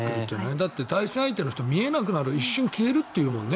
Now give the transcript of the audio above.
だって、対戦相手の人見えなくなる一瞬消えるっていうもんね